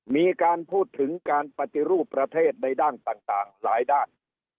มีการพูดถึงการปฏิรูปประเทศในด้านต่างหลายด้าน